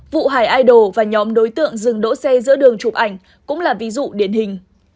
vụ hải idol và nhóm đối tượng dừng đỗ xe giữa đường chụp ảnh cũng là ví dụ điển hình